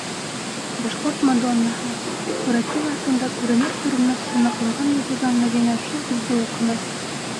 «Башҡорт мадоннаһы» — һүрәттең аҫтында күренер-күренмәҫ сыймаҡланған яҙыуҙан Мәҙинә шул һүҙҙе уҡыны.